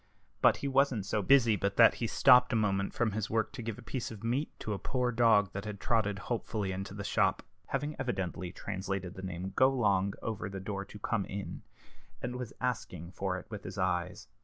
But he wasn't so busy but that he stopped a moment from his work to give a piece of meat to a poor dog that had trotted hopefully into the shop (having evidently translated the name "Golong" over the door into "Come in"), and was asking for it with his eyes.